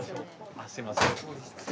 あすいません。